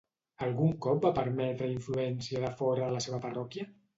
Algun cop va permetre influència de fora de la seva parròquia?